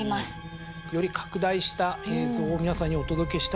今！より拡大した映像を皆さんにお届けしたいと。